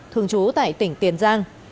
thường trú tại tỉnh tiền giang